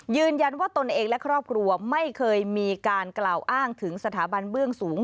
ยืนยันว่าตนเองและครอบครัวไม่เคยมีการกล่าวอ้างถึงสถาบันเบื้องสูง